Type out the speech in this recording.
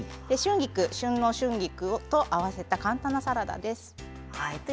旬の春菊と合わせた簡単なサラダです。